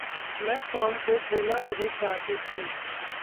मैं टॉम को खोना नहीं चाहती थी।